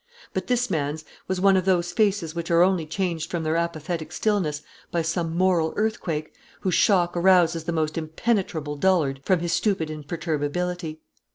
But this man's was one of those faces which are only changed from their apathetic stillness by some moral earthquake, whose shock arouses the most impenetrable dullard from his stupid imperturbability.